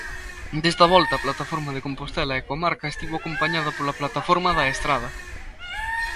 Desta volta, a plataforma de Compostela e comarca estivo acompañada pola plataforma da Estrada.